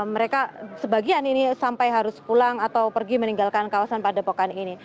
mereka sebagian ini sampai harus pulang atau pergi meninggalkan kawasan padepokan ini